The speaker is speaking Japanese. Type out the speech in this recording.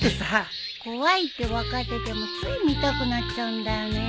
怖いって分かっててもつい見たくなっちゃうんだよね。